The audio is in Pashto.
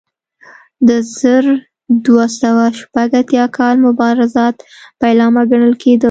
د زر دوه سوه شپږ اتیا کال مبارزات پیلامه ګڼل کېده.